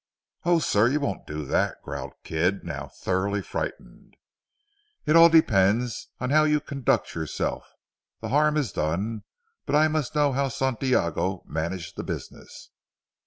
"Oh, sir! you won't do that," growled Kidd now thoroughly frightened. "It all depends upon how you conduct yourself. The harm is done, but I must know how Santiago managed the business."